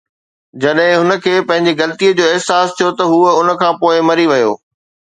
جڏهن هن کي پنهنجي غلطي جو احساس ٿيو ته هو ان کان پوء مري ويو